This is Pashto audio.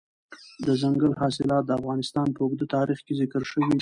دځنګل حاصلات د افغانستان په اوږده تاریخ کې ذکر شوي دي.